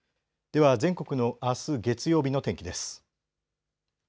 では全国のあす月曜日の天気です。